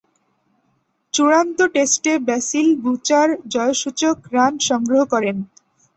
চূড়ান্ত টেস্টে Basil Butcher জয়সূচক রান সংগ্রহ করেন।